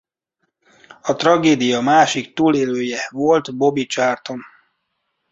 A tragédia másik túlélője volt Bobby Charlton.